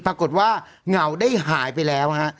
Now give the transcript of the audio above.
ปรากฏว่าเหงาได้หายไปแล้วฮะ